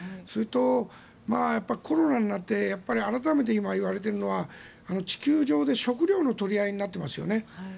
それと、コロナになって改めて今、言われているのは地球上で食料の取り合いになってますよね。